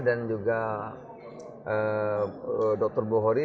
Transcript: dan juga dr bohori